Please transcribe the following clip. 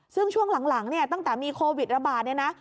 ซึ่งช่วงหลังเนี่ยตั้งแต่มีโควิดระบาดเนี่ยนะ